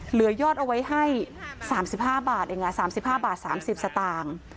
เหลือยอดเอาไว้ให้๓๕บาทเอง๓๕บาท๓๐สตางค์